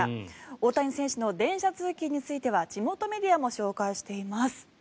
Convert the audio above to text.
大谷選手の電車通勤については地元メディアも紹介しています。